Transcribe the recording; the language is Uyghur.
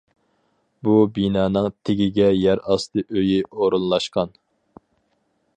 بۇ بىنانىڭ تېگىگە يەر ئاستى ئۆيى ئورۇنلاشقان.